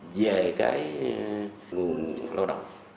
về cái nguồn lao động